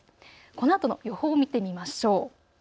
このあとの予報を見てみましょう。